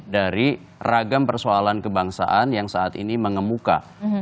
dari ragam persoalan kebangsaan yang saat ini mengemuka